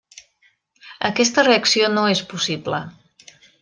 Aquesta reacció no és possible.